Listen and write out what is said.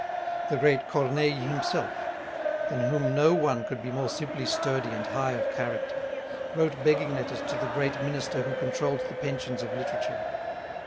The great Corneille himself, than whom no one could be more simply sturdy and high of character, wrote begging letters to the great minister who controlled the pensions of literature.